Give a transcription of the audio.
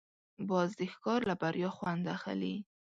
باز د ښکار له بریا خوند اخلي